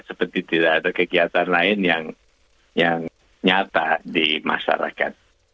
seperti tidak ada kegiatan lain yang nyata di masyarakat